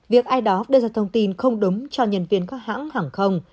việc ai đó đưa ra thông tin không đúng cho nhân viên các hãng hàng không